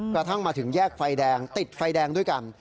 กระทั่งมาถึงแยกไฟแดงติดไฟแดงด้วยกัน